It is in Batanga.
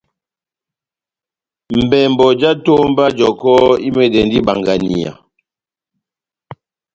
Mbɛmbɔ já etómba jɔkɔ́ imɛndɛndi ibanganiya.